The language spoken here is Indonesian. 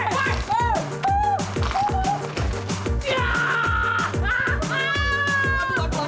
danam danam danam danam